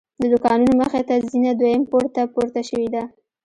د دوکانونو مخې ته زینه دویم پوړ ته پورته شوې ده.